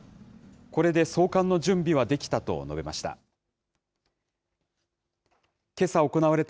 これで送還の準備はできたと述べました。